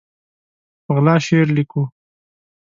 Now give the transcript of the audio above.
په غلا شعر لیکو